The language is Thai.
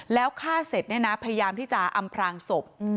แล้วฆ่าเสร็จเนี่ยนะพยายามที่จะอำพลางศพ